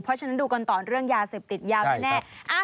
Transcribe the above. เพราะฉะนั้นดูกันต่อเรื่องยาเสพติดยาวแน่